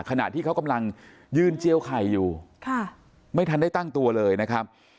ขณะที่เขากำลังยืนเจียวไข่อยู่ไม่ทันได้ตั้งตัวเลยนะครับ